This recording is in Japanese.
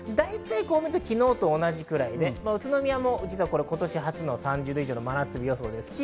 昨日と同じくらいで宇都宮も今年初の３０度以上で真夏日です。